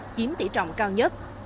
chiếm tỷ trọng cao nhất